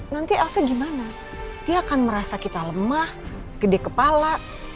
nanti elsa gimana dia akan merasa kita lemah gede kepala